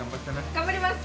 頑張ります。